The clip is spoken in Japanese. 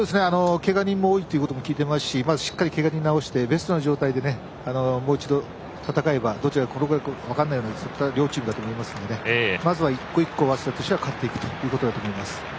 けが人が多いとも聞いていますし、まずしっかりけが人を治して、ベストな状態でもう一度戦えばどちらが勝つか分からないような両チームだと思いますので一個一個、早稲田だとしては勝っていくと。